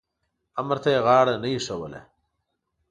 امر ته یې غاړه نه ایښودله.